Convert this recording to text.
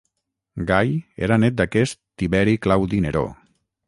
Gai era nét d'aquest Tiberi Claudi Neró.